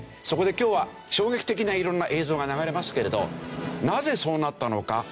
そこで今日は衝撃的な色んな映像が流れますけれどなぜそうなったのか？